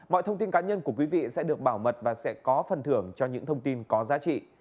mọi thông tin cá nhân của quý vị sẽ được bảo mật và sẽ có phần thưởng cho những thông tin có giá trị